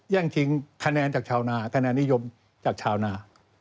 ่งชิงคะแนนจากชาวนาคะแนนนิยมจากชาวนา